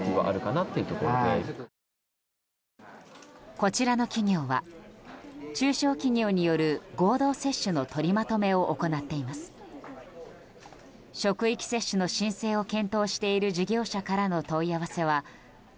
こちらの企業は中小企業による合同接種の取りまとめを行っています。